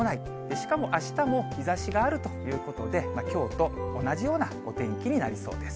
しかもあしたも日ざしがあるということで、きょうと同じようなお天気になりそうです。